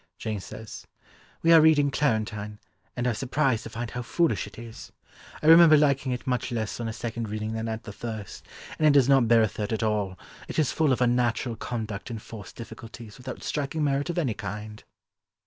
Jane says, "We are reading Clarentine and are surprised to find how foolish it is. I remember liking it much less on a second reading than at the first, and it does not bear a third at all. It is full of unnatural conduct and forced difficulties, without striking merit of any kind."